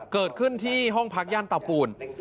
เกิดขึ้นที่ห้องพักย่านเตาปูน